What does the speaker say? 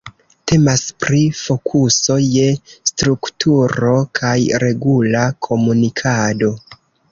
Temas pri fokuso je strukturo kaj regula komunikado.